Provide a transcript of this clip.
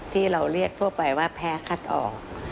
ที่เราเรียกทั่วไปว่าแพ้คัดออก